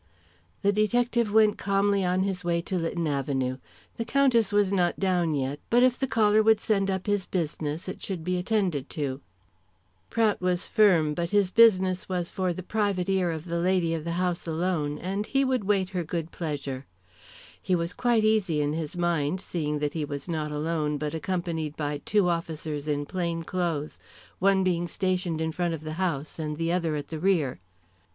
The detective went calmly on his way to Lytton Avenue. The Countess was not down yet, but if the caller would send up his business it should be attended to. Prout was firm, but his business was for the private ear of the lady of the house alone, and he would wait her good pleasure. He was quite easy in his mind, seeing that he was not alone, but accompanied by two officers in plain clothes, one being stationed in the front of the house and the other at the rear.